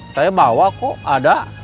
saya bawa kok ada